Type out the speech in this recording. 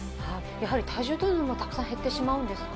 やはり体重というのもたくさん減ってしまうんですか？